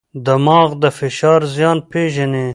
دماغ د فشار زیان پېژني.